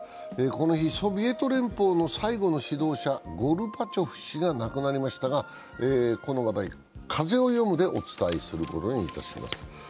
この日、ソビエト連邦最後の指導者ゴルバチョフ氏が亡くなりましたが、この話題、「風をよむ」でお伝えすることにいたします。